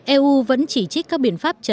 eu vẫn chỉ trích các biện pháp chấn nát